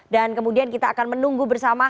dan kemudian kita akan menunggu bersama